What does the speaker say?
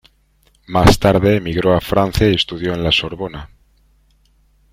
Más tarde emigró a Francia y estudió en La Sorbona.